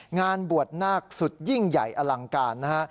งานบวชนักศุตรอย่างใหญ่อลังการนะ